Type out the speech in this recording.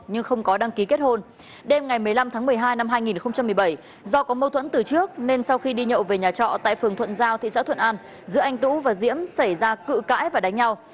nhưng không có đăng ký kết hôn đêm ngày một mươi năm tháng một mươi hai năm hai nghìn một mươi bảy do có mâu thuẫn từ trước nên sau khi đi nhậu về nhà trọ tại phường thuận giao thị xã thuận an giữa anh tú và diễm xảy ra cự cãi và đánh nhau